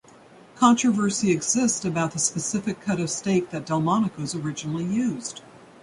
Controversy exists about the specific cut of steak that Delmonico's originally used.